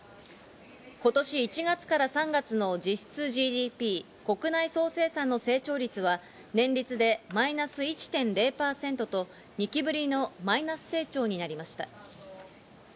今年１月から３月の実質ＧＤＰ＝国内総生産の成長率は年率でマイナス１．０％と２期ぶりのマイナス成長になりました。